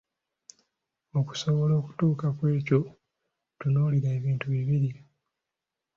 Okusobola okutuuka kwekyo tutunuulira ebintu bibiri